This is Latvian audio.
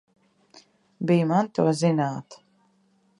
Bij man to zināt!